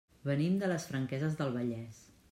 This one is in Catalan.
Venim de les Franqueses del Vallès.